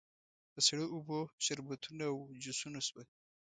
په سړو اوبو، شربتونو او جوسونو شوه.